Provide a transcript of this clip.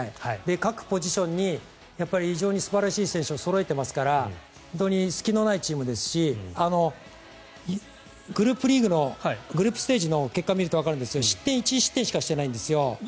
各ポジションに非常に素晴らしい選手をそろえていますから本当に隙のないチームですしグループステージの結果を見ると、わかるんですが失点、１失点しかしてないんですよ。